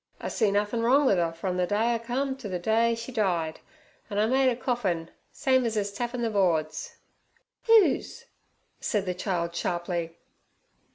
I see nothin' wrong wi' 'er frum ther day 'er come to ther day she died, an' I made 'er coffin—same uz 'is' tapping the boards. 'Whose?' said the child sharply.